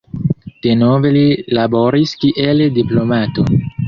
Denove li laboris kiel diplomato.